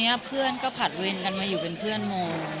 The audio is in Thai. เพื่อนก็ผัดเวรกันมาอยู่เป็นเพื่อนโม